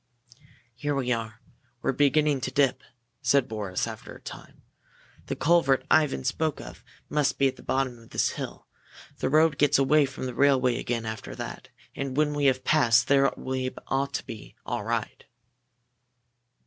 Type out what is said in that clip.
"Here we are! We're beginning to dip," said Boris, after a time. "The culvert Ivan spoke of must be at the bottom of this hill. The road gets away from the railway again after that, and when we have passed there we ought to be all right."